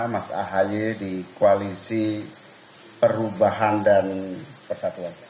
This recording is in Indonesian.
mas ahy di koalisi perubahan dan persatuan